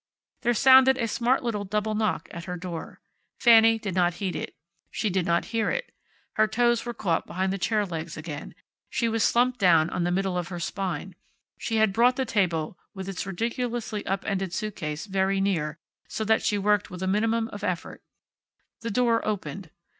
There sounded a smart little double knock at her door. Fanny did not heed it. She did not hear it. Her toes were caught behind the chair legs again. She was slumped down on the middle of her spine. She had brought the table, with its ridiculously up ended suitcase, very near, so that she worked with a minimum of effort. The door opened.